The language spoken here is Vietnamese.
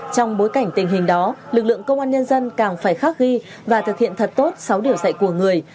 trong bối cảnh tình hình đó lực lượng công an nhân dân càng phải khắc ghi và thực hiện thật tốt sáu điều dạy của người